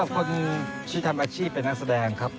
คนที่ทำอาชีพเป็นนักแสดงครับ